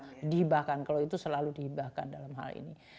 terutama dihibahkan kalau itu selalu dihibahkan dalam hal ini